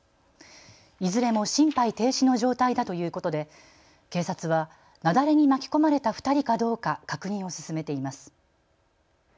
いずれも心肺停止の状態だということで警察は雪崩に巻き込まれた２人かどうか確認を進めています。